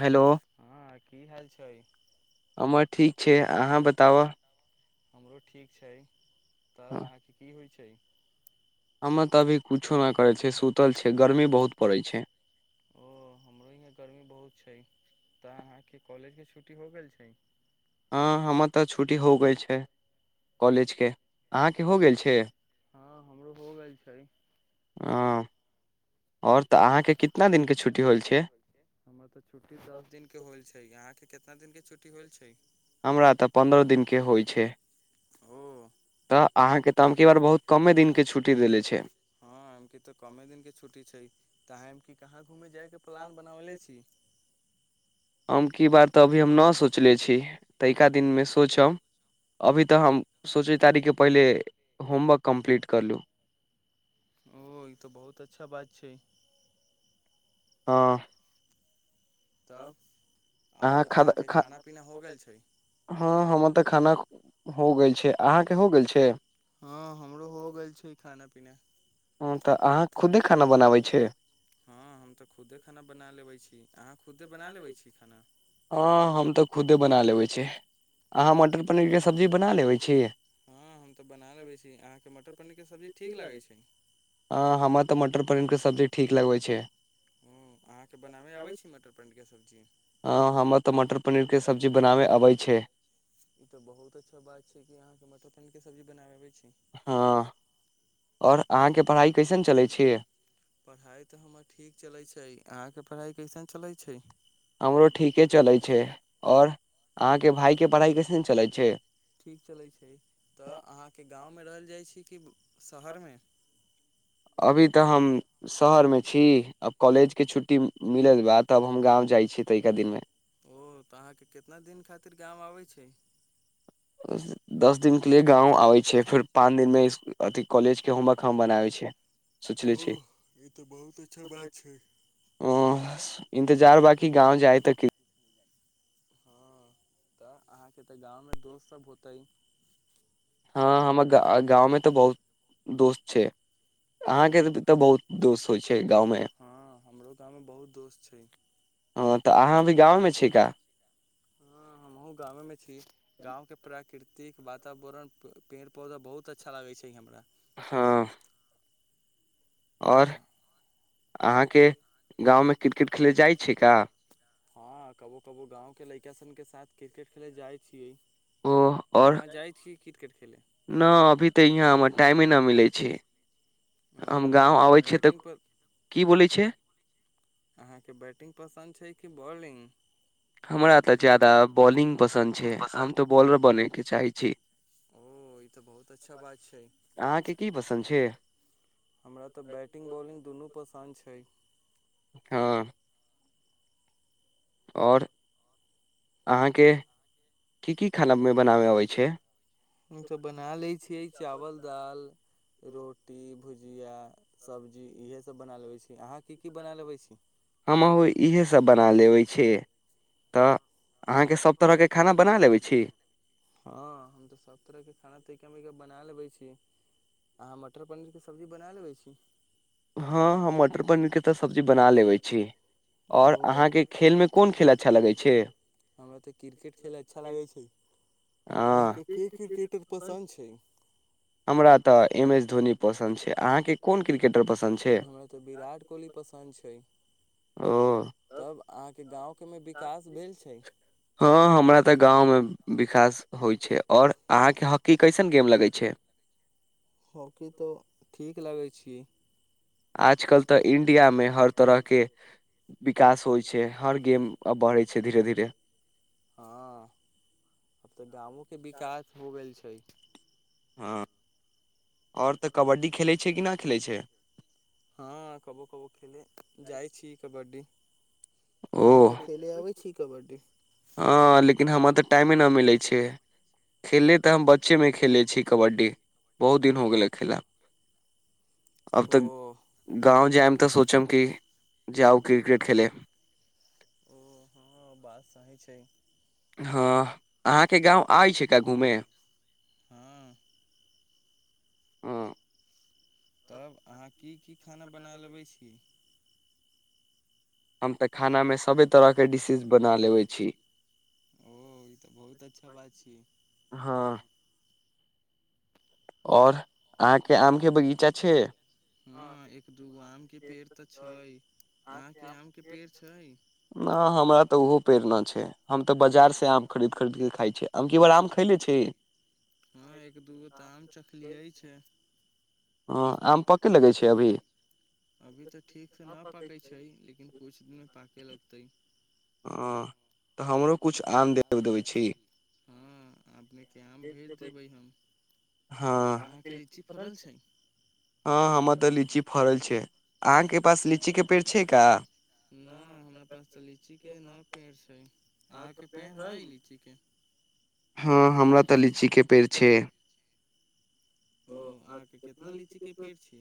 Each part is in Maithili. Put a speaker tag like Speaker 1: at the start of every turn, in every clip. Speaker 1: हेलो हममर ठीक छै अहाँ बताबऽ
Speaker 2: हमरो ठीक छै तब अहाँके की होइ छै छै ओ हमरो यहाँ गर्मी बहुत छै तऽ अहाँके कॉलेजके छुट्टी हो गेल छै
Speaker 1: हँ हमर तऽ छुट्टी हो गेल छै कॉलेजके अहाँके हो गेल छै
Speaker 2: हँ हमरो हो गेल छै हमर तऽ छुट्टी दस दिननक के हो छै अहाँके कितना दिन के छुट्टी होल छै
Speaker 1: हमरा तऽ पन्द्रह दिनके होइत छै तऽ अहाँके तऽके बार बहुत कमे दिनके छुट्टी देनेे छै
Speaker 2: हँ एम कि तऽ कम दिन के छुटी छै ताह एम कि कहाँ घूममे जाय के प्लान बनबले छी
Speaker 1: एमकी बार तऽ अभी हम न सोचले छी तनिका दिनमे सोचब अभी तऽ हम सोचे तारीखके पहिले होमवर्क कम्प्लीट करलु
Speaker 2: ओ ई तो बहुत अच्छा बात छै
Speaker 1: हँ अहाँ खा ख हँ हम तऽ खाना हो गेल छै अहाँके हो गेल छै
Speaker 2: हँ हमरो हो गेल छै खाना प बिना [unintelligible]
Speaker 1: हँ तऽ अहाँ खुदे खाना बनाबै छी
Speaker 2: हँ हम तऽ खुदे खाना बना लेबै छी अहाँ खुदे बना लेबै छी खाना
Speaker 1: हँ हम तऽ खुदे बना लेबै छी अहाँ मटर पनीरके सब्जी बना लेबै छी
Speaker 2: हँ हम तऽ बना लेबै छी अहाँके मटर पनीरके सब्जी ठीक लागै छै
Speaker 1: पनीरके सब्जी ठीक लगै छै
Speaker 2: ओ अहाँके बनाबे आबै छै मटर पनीरके सब्जी
Speaker 1: हँ हमरा तऽ मटर पनीरके सब्जी बनाबे अबै छै
Speaker 2: ई तऽ बहुत अच्छा बात छै कि अहाँ के मटर पनीर के सब्जी बनाबे अबै छै
Speaker 1: आओर अहाँके पढ़ाइ कैसन चलै छै
Speaker 2: पढ़ाइ तऽ हमर ठीक चलै छै अहाँके पढ़ाइ कैसन चलै छै
Speaker 1: हमरो ठीके चलै छै आओर अहाँके भायके पढ़ाइ कैसन चलै छै
Speaker 2: ठीक चलै छै तऽ अहाँके गाँंव मे रहल जाइ छी कि
Speaker 1: अभी तऽ हम शहरमे छी अब कॉलेज के छुट्टी मिलल बा तब हम गाँव जाय छी तनिका दिनमे
Speaker 2: ओ तऽ अहाँ के कितना दिन खातिर गाँव आबै छै
Speaker 1: दस दिनके लिए गाँव आबै छै फेर पान दिनमे अथी कॉलेजके होमवर्क हम बनाबै छियै सोचले छियै ओ [inaudible] इन्तजार बाकी गाँव जाय तऽ की
Speaker 2: तब अहाँके तऽ गाँवमे दोस्त सभ होतै
Speaker 1: हँ हमर गाँव गाँवमे तऽ बहुत दोस्त छै
Speaker 2: हँ हमरो गाममे बहुत दोस्त छै हमहु गामे मे छी गाँव के प्र प्राकृतिक वातावरण पेड़ पौधा बहुत अच्छा लागे छै हमरा
Speaker 1: हँ आओर अहाँके गाँवमे क्रिकेट खेलय जाइ छै का
Speaker 2: हँ कबो कबो गाँव के लइका सन के साथ क्रिकेट खेले जाय छियै
Speaker 1: ओ और न अभी तऽ यहाँ हमर टाइमे न मिले छै छी
Speaker 2: ओ अहाँक बैटिंग अहाँक बैटिंग पसन्द छै कि बालिंग
Speaker 1: हमरा तऽ ज्यादा बॉलिंग पसन्द छै हम तऽ बॉलर बनै के चाहै छी
Speaker 2: ओ ई तऽ बहुत अच्छा बात छै हमरा तऽ बैटिंग बॉलिंग दुनू पसन्द छै
Speaker 1: हँ आओर अहाँके की की खाना बनाए आबै छै
Speaker 2: हम तऽ बना लै छियै चावल दाल रोटी भुजिया सब्जी इहे सब बना लेवे छी अहाँ की की बना लेबै छी
Speaker 1: सब बना देबै छियै तऽ अहाँक स
Speaker 2: हँ हम तऽ सब तरह के खाना तनिके मनिके बना लेबै छी अहाँ मटर पनीरके सब्जी बना लेबै छी
Speaker 1: हँ हम मटर पनीरके तऽ सब्जी बना लेबै छी आओर अहाँके खेलमे कोन खेल अच्छा लगै छै
Speaker 2: क्रिकेट खेल अच्छा लागै छै अहाँके के क्रिकेटर पसन्द छै
Speaker 1: हमरा तऽ एम एस धोनी पसन्द छै अहाँके कोन क्रिकेटर पसन्द
Speaker 2: हमरा तऽ विराट कोहली पसन्द छै तब अहाँके गाँव
Speaker 1: हँ हमरा तऽ गाँवमे विकास होइ छै आओर अहाँके हॉकी कइसन गेम लगै छै
Speaker 2: हॉकी तो ठीक लागै छै की
Speaker 1: आजकल तऽ इंडियामे हर तरहके
Speaker 2: हँ आब तऽ गामो के विकास हो गेल छै
Speaker 1: हँ
Speaker 2: हँ कबो कबो जाइ छी कबाड्डी अहाँके खेले अबै छी कबड्डी
Speaker 1: हँ लेकिन हमरा तऽ टाइमे नहि मिलै छै खेले तऽ हम बच्चेमे खेलै छी कबड्डी बहुत दिन हो गेलै खेला अब तऽ गाँव जायम तऽ सोचम कि जाउ क्रिकेट खेैल
Speaker 2: ओ हँ बात सही छै
Speaker 1: हँ अहाँके गाँव आय छैिये घूमे
Speaker 2: तब अहाँ की की खाना बना लबै छी ख ते ओ ई तऽ बहुत अच्छा बात छी
Speaker 1: आओर अहाँके आमके बगीचा छै नहि हमरा तऽ ओहो प्रेरणा छै हम तऽ बाजारसँ आम खरीद खरीद खाइ छी आ क बार आम खैले छी
Speaker 2: दू आम चकलिय छै अभी तऽ ठीक से न पकै छै लेकिन कछ दिन पाक ल त
Speaker 1: हाँ तऽ हमरो किछु आन दे देबै छी
Speaker 2: हँ अपने भेज देबै अहीच फड़ल छै हमराच के पेड़ छै अहाँ पेड़ ह कितना लीची पेड़ छै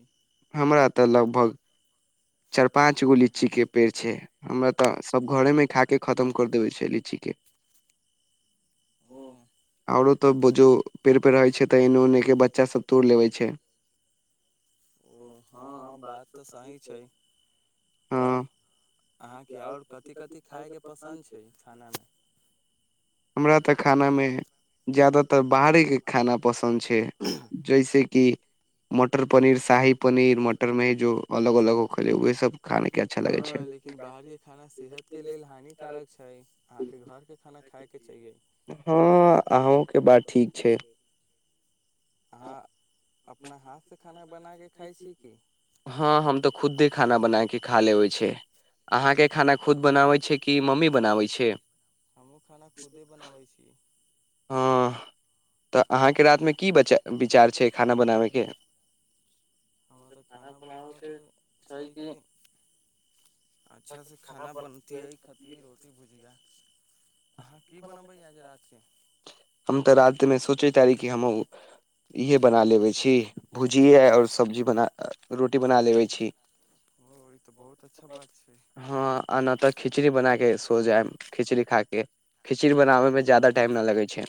Speaker 1: चार पांच गो लीची के पेड़ छै हमरा तऽ सब घरे मे खा के खतम कर देबे छै लीची कें आरो त बझ पेड़ रहै छै त ए ओने के बच्चा सब तोड़ ले छै
Speaker 2: तब अहाँके आओर कथि कथि खायके पसन्द छै
Speaker 1: हमरा तऽ खानामे ज्यादातर बाहरेके खाना पसन्द छै जैसेकि मटर पनीर शाही पनीर मटरमेी जो अलग अलग हो गेलल छै उएहसभ खानेके अच्छा लगै छै
Speaker 2: लेकिन बाहर के खाना सेहत के लेल हानिकारक छै आहाँ के घर के खाना ख
Speaker 1: हँ अहूँके बात ठीक छै
Speaker 2: अहाँ अपना हाथ से खाना बना खा छी खुदे बनाबै छियै हमरा तऽ खाना बनाबै के छै कि अच्छा से खाना बनतियै खतियै रोटी भुजिया
Speaker 1: हम तऽ रति मे सोचे तारी कि हमहु इहे बना लेबै छी भुजिये आओर सब्जी बना रोटी बना लेबै छी हँ आ न तऽ खिचड़ी बना के सो जाएम खिचड़ी खाके से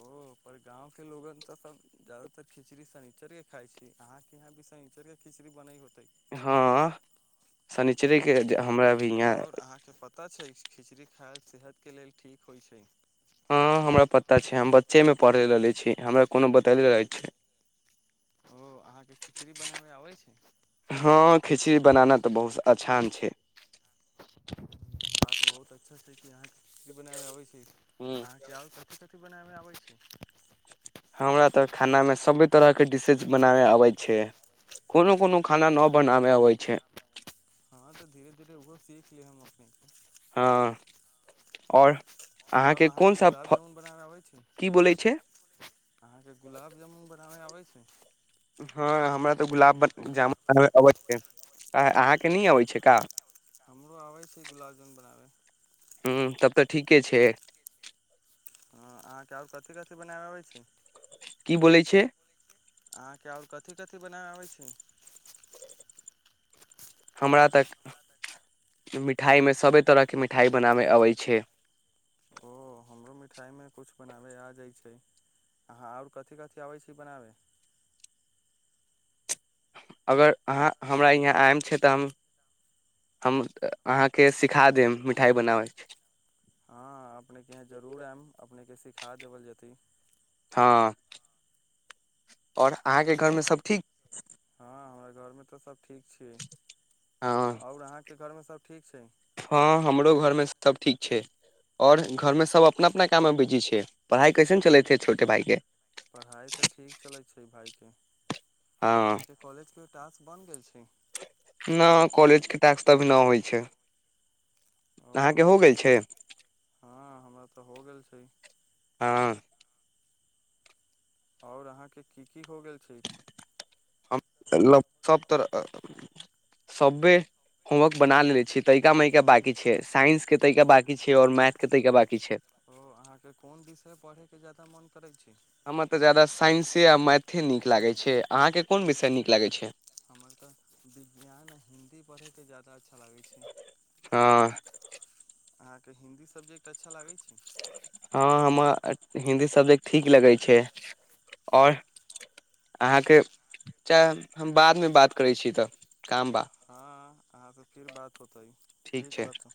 Speaker 2: ओ पर गाँव के लोगो तऽ सब जाादातर खिचड़ी सा नीच के खायई छीहाँ के यहा भ शर के खिचड़ी बनैत होते
Speaker 1: हँ सनिचरेके ज जाय
Speaker 2: आओर अहाँके पता छै खिचड़ी खाएल सेहत के लेल ठीक होइ छै
Speaker 1: हँ हमरा पता छै हम बच्चेमे पढ़े रहले छियै हमरा कोनो बतयले रहै छै हँ खिचड़ी बनाना तऽ बहुत अछान छै
Speaker 2: बात बहुत अच्छा छै कि अहाँ के बनाबे अबै छै अहाँके आओर कथी कथी बनाबे आबै छै
Speaker 1: हमरा तऽ खानामे सभे तरह के डिशेज बनाबे आबै छै कोनो कोनो खाना न बनाबे अबै छै
Speaker 2: हँ तऽ धीरे धीरे ओहो सीख लेहम अपनेके
Speaker 1: हँ आओर
Speaker 2: तब अहाँके गुलाब जामुन बनाबे अबै छै अहाँके गुलाब जामुन आबै छै
Speaker 1: हँ हमरा तऽ गुलाब जामुन बनाबे अबै छै अहाँके न अबै छै का
Speaker 2: हमरो आबै छै गुलाब जामुन बनाबे
Speaker 1: तऽ ठीके छै
Speaker 2: हँ अहाँके आओर कथी कथी बनाबै अबै छै
Speaker 1: की बोलै छियै
Speaker 2: अहाँके आओर कथी कथी बनाबे आबै छी
Speaker 1: हमरा तऽ मिठाइमे सभे तरहके मिठाइ बनाबे अबै छै
Speaker 2: मिठाइ मे कुछ बनाबे आ जाइ छै अहाँ आओर कथी कथी आबै छै बनाबे
Speaker 1: अगर अहाँ हमरा इहाँ आयम छै तऽ हम हम अहाँके सिखा देब मिठाइ बनाबे
Speaker 2: हँ अपने के इहाँ जरूर आएम अपने के सी खा देबल जेतै
Speaker 1: हँ आओर अहाँके घरमे सभ ठीक
Speaker 2: हँ हमरा घरमे तऽ सब ठीक छियै आओर अहाँके घरमे सब ठीक छै
Speaker 1: हँ हमरो घरमे सभ ठीक छै आओर घरमे सभ अपना अपना काममे बिजी छै पढ़ाइ कैसन चलै छै छोटे भाइके
Speaker 2: पढ़ाइ तऽ ठीक चलैत छै भायके अहाँके कॉलेजके टास्क बनि गेल छै
Speaker 1: टैक्स तऽ न आबै छै अहाँके हो गेल छै
Speaker 2: से
Speaker 1: हँ
Speaker 2: आओर अहाँके की की हो गेल छै
Speaker 1: हम सब तरह सभे होमवर्क बना लेलेे छियै तइका मइका बाकी छै साइंस के तइका बाकी छै आओर मैथ के तइका बाकी
Speaker 2: ओ अहाँके कोन विषय पढ़े के मन करै छी
Speaker 1: हमरा तऽ ज्यादा साइंसे आ मैथे नीक लागैत छै अहाँकेँ कोन विषय नीक लागैत छै
Speaker 2: हमर तऽ विज्ञान हिन्दी पढ़ेके जदाचछा ल अहाँ के हिन्दी सब्जेक्ट अच्छा लागै छै
Speaker 1: हँ हमरा हिन्दी सब्जेक्ट ठीक लगै छै आओर अहाँके चाहे हम बादमे बात करै छी तऽ
Speaker 2: हँ अहाँ से फिर बात होत ह ठीक बात ह